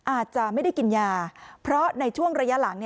อาจจะไม่ได้กินยาเพราะในช่วงระยะหลัง